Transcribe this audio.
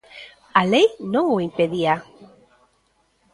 A lei non o impedía.